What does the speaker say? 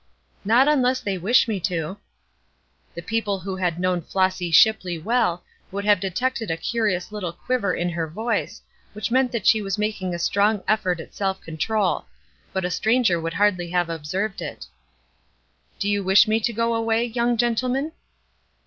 "Not unless they wish me to." The people who had known Flossy Shipley well would have detected a curious little quiver in her voice, which meant that she was making a strong effort at self control; but a stranger would hardly have observed it. "Do you wish me to go away, young gentlemen?"